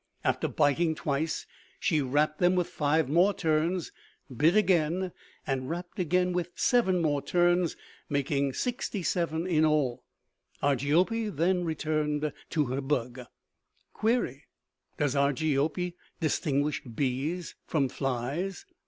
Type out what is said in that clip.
After biting twice, she wrapped them with five more turns, bit again, and wrapped again with seven more turns, making sixty seven in all. Argiope then returned to her bug. "Query: Does Argiope distinguish bees from flies?